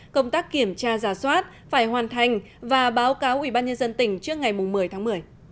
công tác kiểm tra giả soát phải hoàn thành và báo cáo ủy ban nhân dân tỉnh trước ngày một mươi tháng một mươi